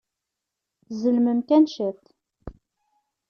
Tzelmem kan ciṭ.